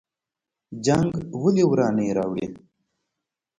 جنګ ولې ورانی راوړي؟